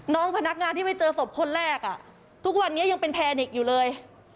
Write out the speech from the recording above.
พนักงานที่ไปเจอศพคนแรกทุกวันนี้ยังเป็นแพนิกอยู่เลย